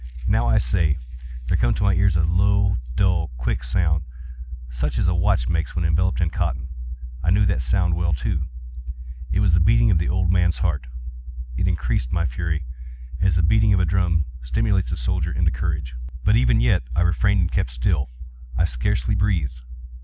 —now, I say, there came to my ears a low, dull, quick sound, such as a watch makes when enveloped in cotton. I knew that sound well, too. It was the beating of the old man's heart. It increased my fury, as the beating of a drum stimulates the soldier into courage. But even yet I refrained and kept still. I scarcely breathed.